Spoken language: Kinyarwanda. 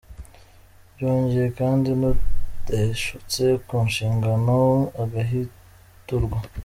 Byongeye kandi n’uteshutse ku nshingano agahwiturwa.